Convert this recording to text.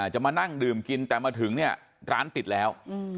จังหวะนั้นได้ยินเสียงปืนรัวขึ้นหลายนัดเลย